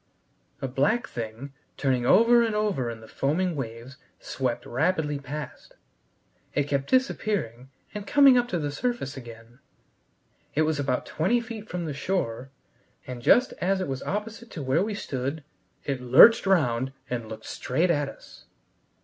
A black thing, turning over and over in the foaming waves, swept rapidly past. It kept disappearing and coming up to the surface again. It was about twenty feet from the shore, and just as it was opposite to where we stood it lurched round and looked straight at us.